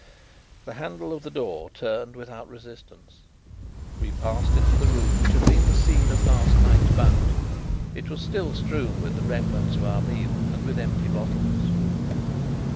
The handle of the door turned without resistance. We passed into the room which had been the scene of last night's bout. It was still strewn with the remnants of our meal and with empty bottles.